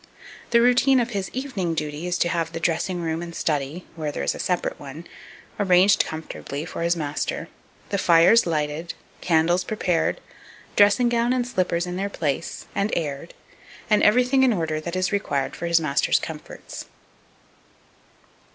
The routine of his evening duty is to have the dressing room and study, where there is a separate one, arranged comfortably for his master, the fires lighted, candles prepared, dressing gown and slippers in their place, and aired, and everything in order that is required for his master's comforts.